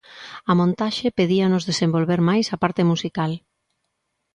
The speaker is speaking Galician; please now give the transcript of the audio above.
A montaxe pedíanos desenvolver máis a parte musical.